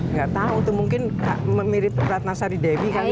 nggak tahu tuh mungkin memilih ratna sari dewi kali